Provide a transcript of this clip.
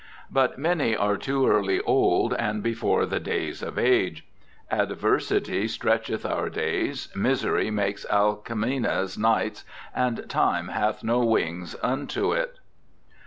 But many are too early old and before the days of age. Adversity stretcheth our days, misery makes Alcemena's nights, and time hath no wings unto It.'